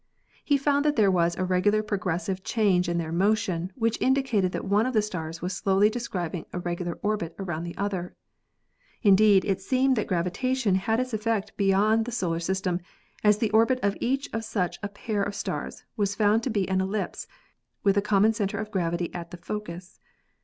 He found that there was a regular progressive change in their motion which indicated that one of the stars was slowly describing a regular orbit around the other. Indeed, it seemed that gravitation had its effect beyond the solar system, as the orbit of each of such a pair of stars was found to be an ellipse with the common center of gravity at the focus.